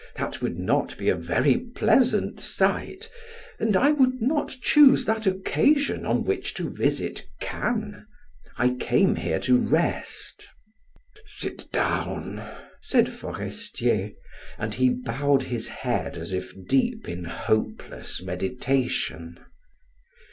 That would not be a very pleasant sight, and I would not choose that occasion on which to visit Cannes. I came here to rest." "Sit down," said Forestier, and he bowed his head as if deep in hopeless meditation.